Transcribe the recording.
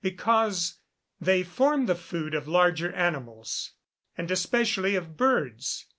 _ Because they form the food of larger animals, and especially of birds.